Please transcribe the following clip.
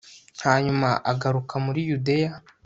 hanyuma agaruka muri yudeya